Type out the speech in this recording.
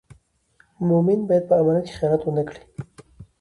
مومن باید په امانت کې خیانت و نه کړي.